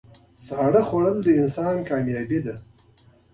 ساړه خوړل د انسان کامیابي ده.